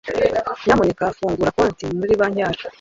Nyamuneka fungura konti muri banki yacu.